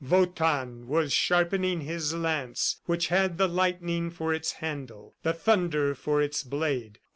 Wotan was sharpening his lance which had the lightning for its handle, the thunder for its blade.